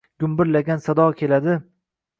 Gumburlagan sado keladi